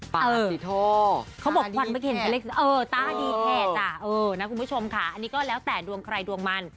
ป่าสิโทต้าดีแพะคุณผู้ชมค่ะอันนี้ก็แล้วแต่ดวงใครดวงมัน